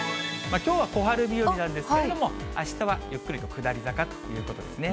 きょうは小春日和なんですけれども、あしたはゆっくりと下り坂ということですね。